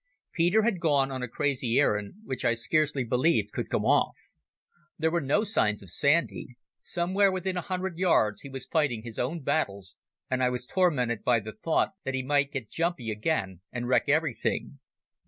Peter had gone on a crazy errand which I scarcely believed could come off. There were no signs of Sandy; somewhere within a hundred yards he was fighting his own battles, and I was tormented by the thought that he might get jumpy again and wreck everything.